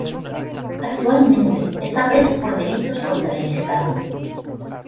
Actualmente está preso por delitos contra el estado.